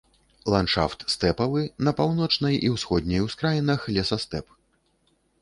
Ландшафт стэпавы, на паўночнай і ўсходняй ускраінах лесастэп.